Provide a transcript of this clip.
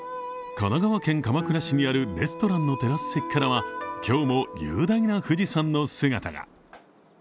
神奈川県鎌倉市にあるレストランのテラス席からは今日も雄大な富士山の姿が。